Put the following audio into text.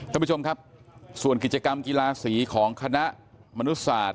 ท่านผู้ชมครับส่วนกิจกรรมกีฬาสีของคณะมนุษศาสตร์